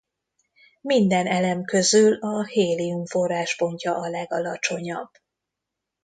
Minden elem közül a hélium forráspontja a legalacsonyabb.